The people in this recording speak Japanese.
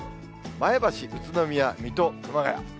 前橋、宇都宮、水戸、熊谷。